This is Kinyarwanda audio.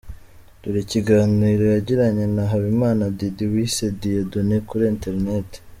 Dore ikiganiro yagiranye na Habimana Diddy Wise Dieudonné kuri internet.